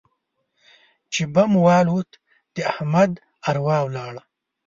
چې بم والوت؛ د احمد اروا ولاړه.